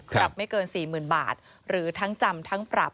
ไม่เกิน๔๐๐๐บาทหรือทั้งจำทั้งปรับ